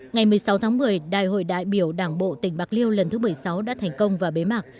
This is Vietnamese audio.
ngày một mươi sáu tháng một mươi đại hội đại biểu đảng bộ tỉnh bạc liêu lần thứ một mươi sáu đã thành công và bế mạc